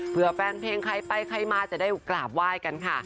เพื่อแฟนเพลงใครไปใครมาจะได้กราบไหว้กันค่ะ